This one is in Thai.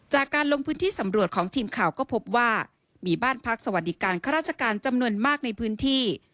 จากการลงพื้นที่สำรวจของทีมข่าวก็พบว่ามีบ้านพักสวัสดิการข้าราชการจำนวนมากในพื้นที่